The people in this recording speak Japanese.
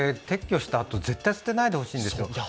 撤去したあと絶対捨てないでほしいんですよ。